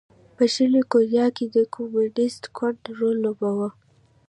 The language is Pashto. په شلي کوریا کې د کمونېست ګوند رول لوباوه.